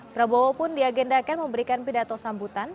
prabowo pun diagendakan memberikan pidato sambutan